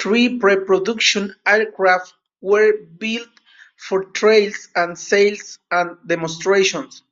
Three pre-production aircraft were built for trials, and sales and demonstrations.